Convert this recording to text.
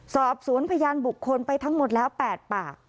สอบสวนพยานบุคคลไปทั้งหมดแล้ว๘ปาก